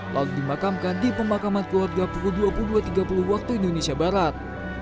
lalu dimakamkan di pemakaman keluarga pukul dua puluh dua tiga puluh waktu indonesia barat